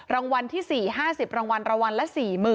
รางวัลที่๔๕๐รางวัลรางวัลละ๔๐๐๐